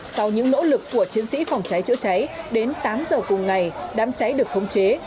sau những nỗ lực của chiến sĩ phòng cháy chữa cháy đến tám giờ cùng ngày đám cháy được khống chế